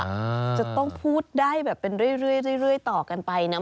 จะต้องพูดได้แบบเป็นเรื่อยต่อกันไปนะ